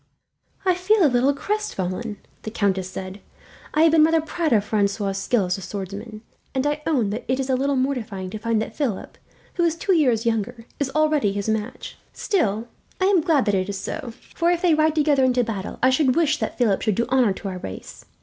"I feel a little crestfallen," the countess said. "I have been rather proud of Francois' skill as a swordsman, and I own that it is a little mortifying to find that Philip, who is two years younger, is already his match. Still, I am glad that it is so; for if they ride together into battle, I should wish that Philip should do honour to our race.